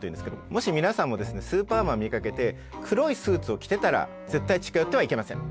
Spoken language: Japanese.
もし皆さんもスーパーマン見かけて黒いスーツを着てたら絶対近寄ってはいけません。